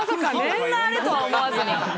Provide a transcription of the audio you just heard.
そんなあれとは思わずに。